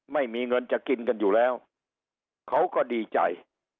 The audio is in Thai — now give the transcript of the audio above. ไม่มีเงินจะกินกันอยู่แล้วเขาก็ดีใจ